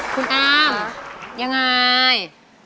คุณอ้ามยังไง